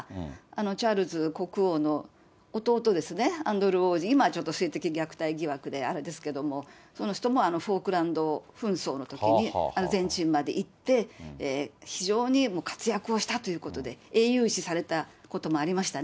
チャールズ国王の弟ですね、アンドルー王子、今ちょっと、性的虐待疑惑であれですけれども、その人もフォークランド紛争のときにアルゼンチンまで行って、非常に活躍をしたということで、英雄視されたこともありましたね。